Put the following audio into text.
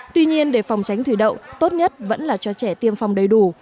tuy nhiên để phòng tránh thủy đậu tốt nhất vẫn là cho trẻ tiêm phòng đầy đủ